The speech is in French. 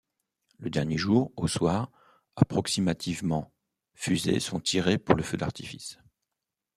Le dernier jour au soir, approximativement fusées sont tirées pour le feu d’artifice.